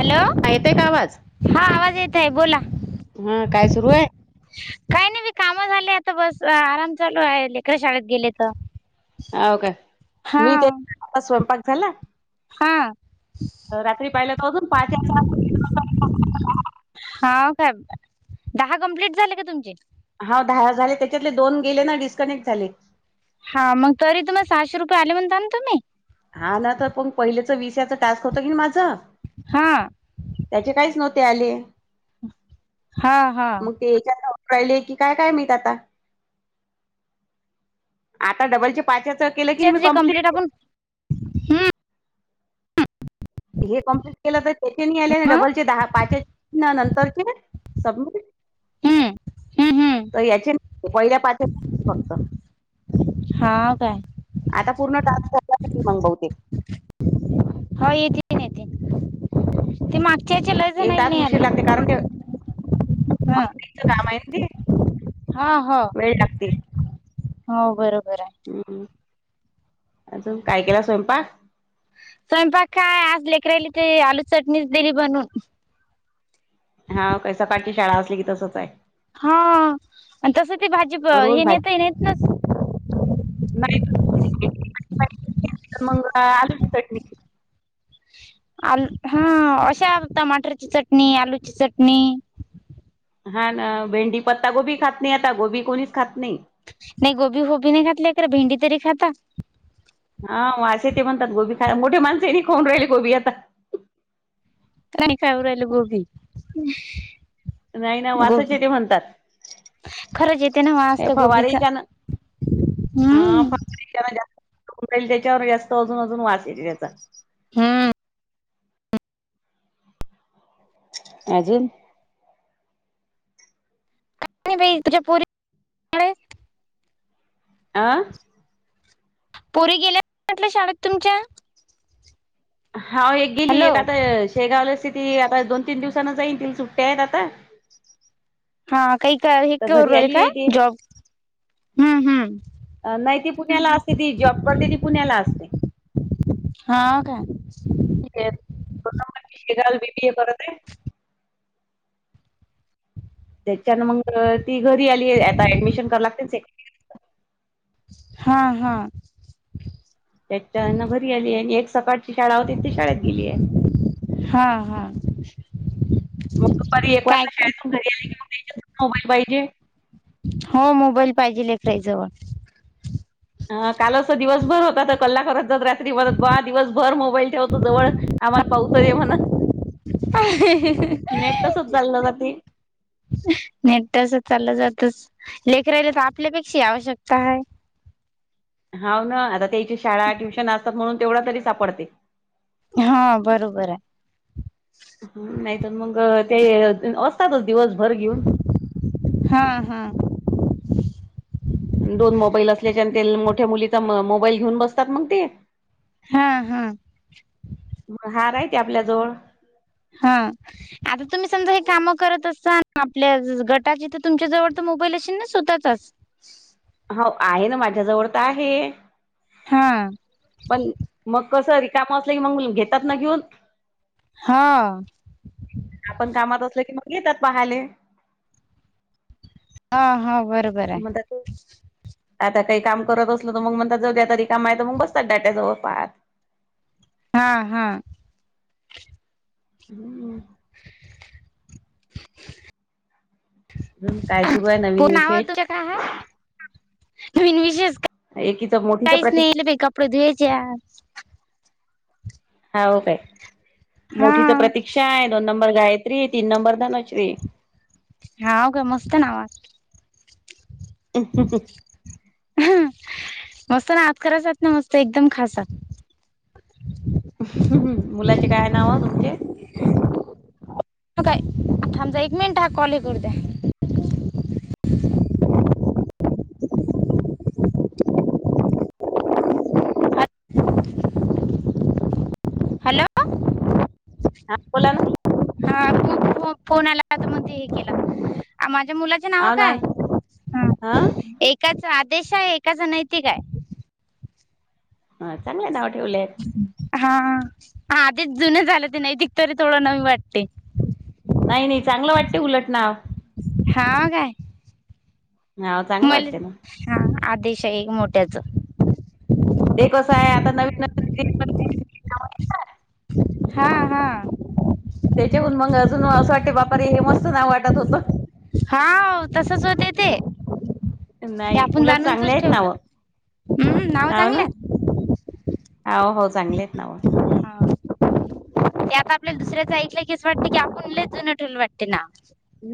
Hello हा येतोय का आवाज? हा आवाज येत आहे बोला. हा काय सुरू आहे? काही नाही मी काम झाले आता बस आराम चालू आहे लेकरं शाळेत गेले त. हो का मी ते आता स्वयंपाक झाला. हा. रात्री पाहिल्या [unintelligible] हौ काय दहा कम्प्लीट झाले का तुमचे? हा झाले त्याच्यातले दोन गेले ना डिस्कनेक्ट झाले. हा मग तरी तुम्हाला सहाशे रुपये आले म्हणता ना तुम्ही? हा ना तर पण पहिलेच विषयाच टास्क होत की माझं. हा त्याचे काहीच नव्हते आले. हा हा. मग ते हेच्या जाऊन राहिले की काय काय मी आता? आता डबलच्या पाच्याच [unintelligible] कंप्लीट आपण हम्म हे कम्प्लीट केलं तर त्याचे नाही आले मग डबलचे दहा पाच नंतरचे सबमिट हम्म हम्म हम्म तर याचे पहिल्या पाच फक्त हा काय? आता पूर्ण टास्क कला मग बहुतेक हो येतीन येतिन ते माग ज्याचे लय जणांना येतात नाही उशीर आले. लागते कारण ते हा ऑनलाईनच काम आहे ना ते हा हा वेळ लागते. हो बरोबर आहे. हम्म अजून काय केला स्वयंपाक? स्वयंपाक काय आज लेकराली ते आलू चटणीच दिली बनून. हाव काय सकाळची शाळा असली की, तसच हाय. हा आणि तस ते भाजीप रोज हे नता भाजी ये नेत ना नाही मंग आलूची चटणी. आलू हा अशा टमाटरची चटणी, आलूची चटणी. हा ना भेंडी पत्ता गोबी खात नाही आता, गोबी कोणीच खात नाही. नाही गोबी होबी नाही घातलय तर भेंडी तरी खाता. हा असे ते म्हणतात गोबी खा मोठे माणस नाही खाऊन राहिले गोबी आता. काय नाही खाऊ राहिल गोबी. नाही ना वासच गोबी येते म्हणतात. खरंच येते ना वास हे त्या गोबीचा, फवारीच्यान हम्म. जास्तईल त्याच्यावर जास्त अजून अजून वास येईल त्याचा. हम्म. अजून? काय नाही बाई तुझ्या पोरी शाळेत आ? पोरी गेल्या म्हटलं शाळेत तुमच्या? हा एक गेली हॅलो एक आता शेगावलाचि ती आता दोन तीन दिवसाां जाईन ति सुट्ट्या आहेत आता. हा काही हे तर करून घरी राहिले आली आहे काय ती जॉब? हम्म हम्म. नाही ती पुण्याला असते ती. जॉब करते ती पुण्याला असते. हां काय? ठीक आहे दो दोन नंबर मुलगी बी बी ए करत हाय. त्याच्यान मग ती घरी आली आता ऍडमिशन करा लागतेच हाय की हा हा. त्याच्यान घरी आली आणि एक सकाळची शाळा होती ती शाळेत गेली आहे. हा हा. मग दुपारी एक काय वाजता शाळेतून घरी आले की मग [unintelligible] मोबाईल पाहिजे. हो मोबाईल पाहिजे लेकराजवळ. हा काल अस दिवसभर होता, तर कला करत जर दहा दिवस भर मोबाईल ठेव तु जवळ आम्हाला पाहुं तर दे म्हण. नेट तसच चाललं जाती. नेट तस चाललं जातच. लेकरायला तर आपल्यापेक्षा आवश्यकता हाय. हाव ना आता त्याची शाळा, ट्युशन असतात म्हणून तेवढा तरी सापडते. हा बरोबर हाय. हम्म नाहीतर मग ते अस असतातच दिवसभर घेऊन. हा हा. दोन मोबाईल असल्याच्यांन ते मोठ्या मुलीचा मोबाईल घेऊन बसतात मग ते. हा हा. मग हार आहेती आपल्या जवळ. हा. आता तुम्ही समजा हे कामं करत असातान आपल्या गटाचे, तर तुमच्या जवळ तर मोबाईल असेन ना स्वत चाच. होव आहे ना माझ्याजवळ तर आहे. हा पण मग कस रिकाम असले मग घेतात ना घेऊन हा. आपण कामात असल की मग येतात पाहायले. हा हा बरो मला ते आता काही काम करत असल तर मग म्हणता जऊ्या तरी काम आहे तर मग बसतात डाट्याजवळपार. हा हा. हम्म. अजून काय सुरू आहे? पू नवीन नाव विशेष. तुझ्या काय हाय? नवीन विशेष एकीच मोठीच काहीच प्रतीक हिले मेकप प्रदूयेच्या हाव काय हा मोठीच प्रतीक्षा आहे, दोन नंबर गायत्री, तीन नंबर धनश्री आहे. हाव का मस्त नाव आहे. [unintelligible] मस्त ना आत कराचना मस्त एकदम खास हात. मुलाचे काय नाव अ तुमचे? काय समजा थांबजा, एक मिनिट हा कॉल हे करु द्या. हॅलो हा बोलाना. हा खूप फो फोन आलाकात म्हणते हे केला माझ्या मुला आ ना हा.... एकाच आदेश आहे, एकाच नैतिक आहे. हा चांगले नाव ठेवलेयत. हा आदेश जुन झालं ते नैतिक तरी थोड नवी वाटते. नाही, नाही चांगलं वाटते उलट नाव. हाव काय. नाव चांगलं मले वाटते ना हा आदेश हाय मोठ्याच. ते कसं आहे आता नवीन, नवीन हा, हा. त्याच्या वरून मग अजून असं वाटते बापारे हे मस्त नाव वाटत होत. हा ओ तसच होते ते. का नाही आपण उलट चांगले जाणूनचच आहेत ठेवलं नाव उ हुं नाव चांगलय. हो, हो चांगलेत नाव. हा ते आता आपल्याला दुसऱ्याचा ऐकल की असं वाटते की आपण लयच जुनं ठेवलं वाटते नाव.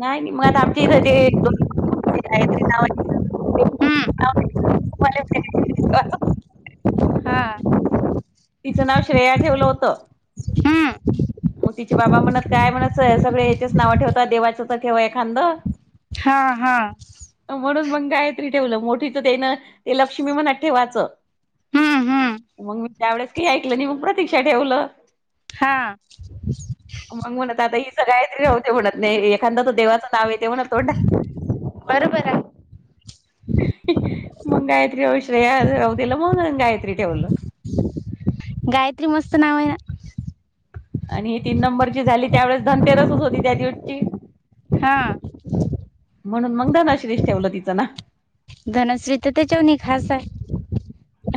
नाही, नाही मग आता आमच्या इथं ते [unintelligible] गायत्री नावाची. ते हम्म त्याचं [unintelligible] हा. तिचं नाव श्रेया ठेवलं होत. हम्म. मग तिचे बाबा म्हणत काय म्हणत सगळे याचेच नावं ठेवतात देवाचंच तर ठेवा एखांद. हा, हा. म्हणून मग गायत्री ठेवलं मोठीच त्यायना ते लक्ष्मी म्हणत ठेवाच. हम्म हम्म मग मी त्यावेळेस काही ऐकलं नाही मग प्रतीक्षा ठेवलं. हा.. मग म्हणत आता हिच गायत्री राहुदे म्हणत नाही एखांद तर देवाचं नाव येतेे तोंडात. बरोबर आहे. मग गायत्री हो श्रेया राहू दिल मग गायत्री ठेवलं. गायत्री मस्त नाव आहेन. आणि ही तीन नंबरची झाली त्यावेेळेस धनतेरसच होती त्या दिवशी. हा म्हणून मग धनश्रीच ठेवलं तिचं नाव. धनुश्री तर त्याच्यावरुन ही खास आहे.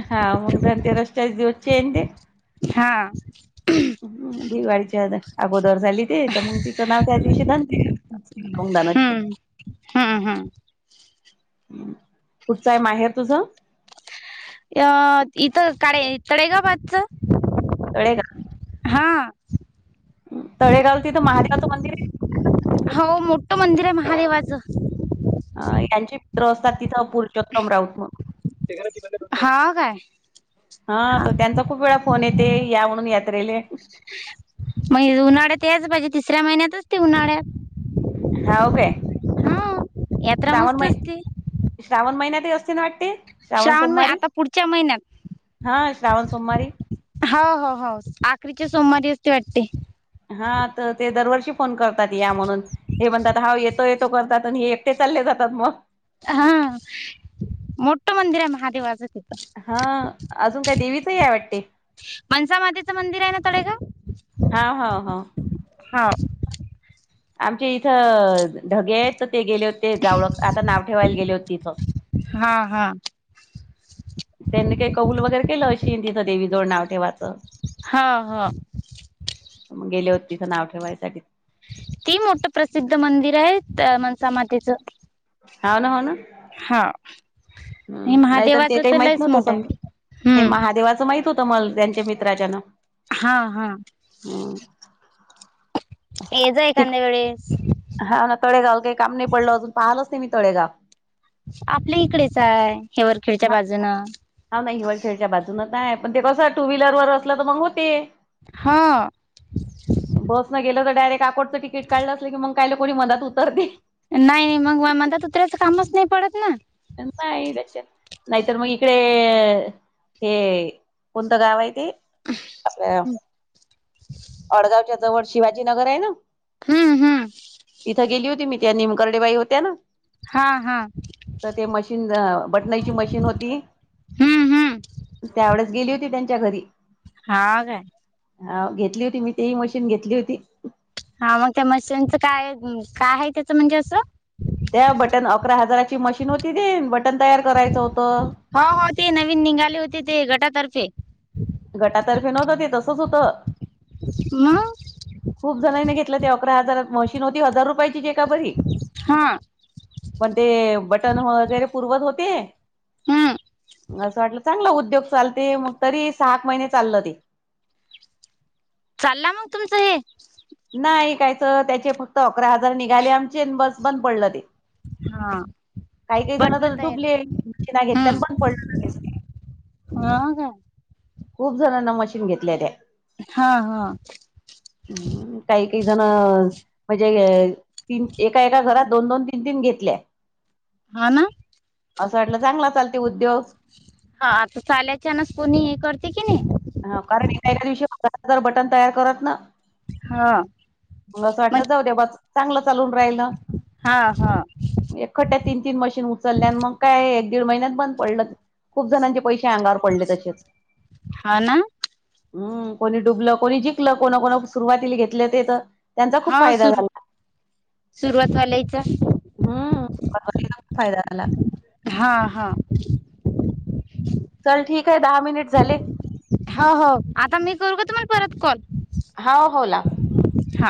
हा मग धनतेरसच्या दिवसची हाय न तेे. हा. दिवाळीच्या अगोदर झाली ते तर मग तिचं नाव त्या दिवशी धन ते अवु दानाच हे. हम्म हम्म, हम्म. कुठचं आहे माहेर तुझ? अ इथ काडे तळे गावाच. तळे गाव. हां. तळेगाव तिथं महादेवाचं मंदिर आहे होव, मोठं मंदिर आहे महादेवाच. अ यांचे मित्र असतात तिथं, पुरुषोत्तम राऊत म्हणून. हा काय? हा तर त्यांचा खूप वेळा फोन येते, या म्हणून यात्रेले. मग उन्हाळ्यात तेच पाहिजे, तिसऱ्या महिन्यात असते उन्हाळ्यात. हाव काय हा, यात्रा श्रावण मस्त मै असती. श्रावण महिन्यातही असते ना वाटते? श्रावण महि सोमारी? आता पुढच्या महिन्यात हा श्रावण सोमारी. हो, हो, हो आखरीच्या सोमवारी असते वाटते. हा तर ते दरवर्षी फोन करतात या म्हणून. हे म्हणतात हा येतो येतो करतात, आणि हे एकटे चालले जातात मग. हा, मोठं मंदिर आहे महादेवाचं ते. हा, अजून काय देवीचही आहे वाटते. पंसामातेचं मंदिर आहे ना ताडेगाव. हा हा हा. हाव. आमचे इथं ढगे आहेत तर ते गेले होते जावळक, आता नाव ठेवायला गेले होते तिथं. हा हा. त्यांनी काही कौल वगैर केलं अशीन, तिथं देवी जवड नाव ठेवाय च हा हा मग गेले होते तिथं नाव ठेवायसाठी. ती मोठ प्रसिद्ध मंदिर आहे, त मनसा मातेचं. हाव ना हाव ना. हां. हम्म नाहीतर ते काही माहित नव्हतं समद. आहे हे हम्म महादेवाच माहित होत तमल त्यांच्या मित्राच्यान. हा, हा. हम्म. येजा ऐखांद्या वेळेस. हा ना तळेगाव काही काम नाही पडलं, अजून पाहिलंच नाही मी तळेगाव. आपल्या इकडेच आहे, हेवरखेडच्या हा बाजून. हा नाही हिवरखेळच्या बाजूनच आहे, पण ते कसं टू व्हीलरवरर असलं तर मग होते. हां. बस न गेलं तर डायरेक्ट आकोडचं तिकीट काढलं असलं की, मग कायला कोणी मधात उतरते. नाही नाही मग म्हणता तुत्र्याच कामच नाही पडत ना. नाही त्याच्या, नाहीतर मग इकडे हे कोणतं गाव आहे ते? आपल्या [unintelligible] अडगावच्या जवळ शिवाजी नगर आहे ना हम्म, हम्म. तिथं गेली होती मी, त्या निमकर्डेबाई होत्या ना. हा, हा. तर ते मशीन, बटनाची मशीन होती. हम्म हम्म त्यावेळेच गेली होती त्यांच्या घरी. हा काय? हाव घेतली होती मी, तीही मशीन घेतली होती. हा, मग त्या मशीनचं काय? काय आहे त्याचं म्हणजे असं? त्या बटन अकरा हजाराची मशीन होती ती, बटन तयार करायचं होतं. हो हो, ती नवीन निघाली होती ते गटातर्फे. गटातर्फे नव्हतं ते तसंच होतं. मग खूप जणांनी घेतलं ते अकरा हजार मशीन होती हजार रुपयाची जे का बरी हा पण ते बटन वगैरे पुरवत होते. हम्म असं वाटलं चांगलं उद्योग चालते मग तरी सहात महिने चाललं ते, चालला मग तुमचं हे, नाही कायच त्याचे फक्त अकरा हजार निघाले आमचे बस बंद पडलं ते, हा. काही काही जण तर बटन तयार दुबलीि ना घेतल्यान पण पडलं, ह का. खूप जणांना मशीन घेतल्या त्या हा हा! हम् काही काही जण म्हणजे तीन एका एका घरात दोन दोन तीन तीन घेतले हा ना असं वाटलं चांगला चालते उद्योग हा आता चाल्यायच्यानस कोणी हे करते की नाही. हा, कारण एका, एका दिवशी हजार हजार बटन तयार करत ना. हा मग असं वाटलं जाऊ दे बा, चांगलं चालून राहिल. हा हा एकखड््या तीन तीन मशीन उचलल्या,, आणि मग काय एक दीड महिन्यात बंद पडलं,, खूप जणांचे पैसेऽ आंगावर पडले तसेच. हा ना.. हम्म,, कोणी डुबलं कोणी, जिंकलं, कोणी कोणी सुरुवातीला घेतलं ते तरऽ होा सुर,, सुरुवातवाल्यायचऽ हम्,, ख फायदा झाला. हा हा चल ठीक आहे दहा मिनिट झाले, हो हो आता मी करू ग तुम्हाला परत कॉल? हो हो लाव हा